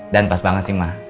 dan pas banget sih mak